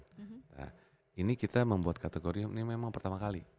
nah ini kita membuat kategori ini memang pertama kali